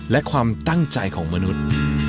และความตั้งใจของมนุษย์